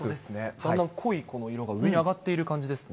だんだん濃い色が上に上がっている感じね。